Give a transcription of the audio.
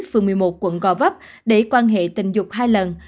phường một mươi một quận gò vấp để quan hệ tình dục hai lần